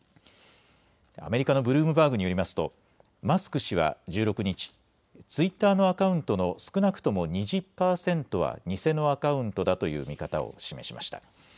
アメリカのブルームバーグによりますとマスク氏は１６日、ツイッターのアカウントの少なくとも２０％は偽のアカウントだという見方を示しました。